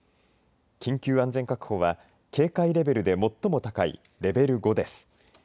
緊急安全確保は警戒レベルで最も高いレベル５です。